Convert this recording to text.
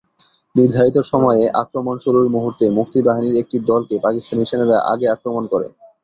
নির্ধারিত সময়ে আক্রমণ শুরুর মুহূর্তে মুক্তিবাহিনীর একটি দলকে পাকিস্তানি সেনারা আগে আক্রমণ করে।